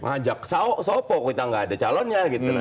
ajak sopok kita nggak ada calonnya gitu